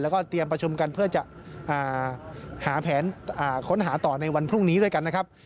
แล้วก็เตรียมประชุมกันเพื่อจะหาแผนค้นหาต่อในวันพรุ่งนี้ด้วยกันนะครับ